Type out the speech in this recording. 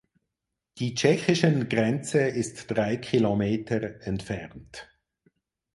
Die tschechischen Grenze ist drei Kilometer entfernt.